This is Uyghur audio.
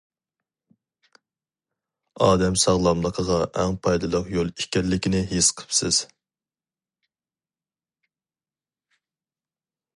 ئادەم ساغلاملىقىغا ئەڭ پايدىلىق يول ئىكەنلىكىنى ھېس قىپسىز.